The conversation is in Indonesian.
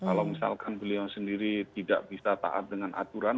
kalau misalkan beliau sendiri tidak bisa taat dengan aturan